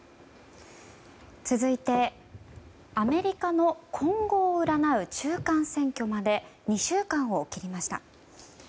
続いて、アメリカの今後を占う中間選挙まで２週間を切りました。